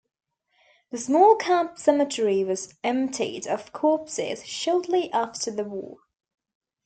The small camp cemetery was emptied of corpses shortly after the war.